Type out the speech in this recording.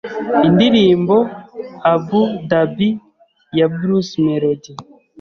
indirimbo 'abu dhabi' ya bruce melodie